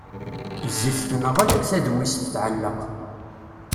Zzit tenɣel, taḍwist tɛelleq.